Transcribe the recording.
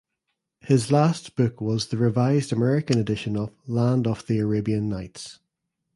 His last book was the revised American edition of "Land of the Arabian Nights".